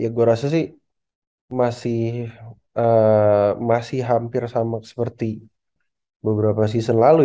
ya gue rasa sih masih hampir sama seperti beberapa season lalu